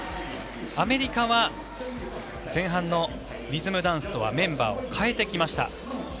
アメリカは前半のリズムダンスとはメンバーを変えてきました。